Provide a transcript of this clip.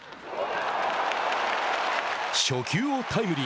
初球をタイムリー